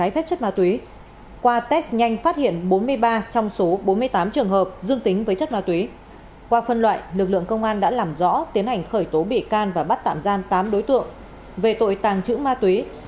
phòng cảnh sát hình sự công an tỉnh hải dương đã làm rõ tiến hành khởi tố bị can và bắt tạm giam tám đối tượng về tội tàng trữ ma túy